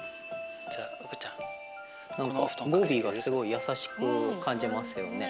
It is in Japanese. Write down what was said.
何か語尾がすごい優しく感じますよね。